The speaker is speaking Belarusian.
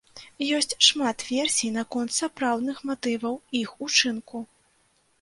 Ёсць шмат версій наконт сапраўдных матываў іх учынку.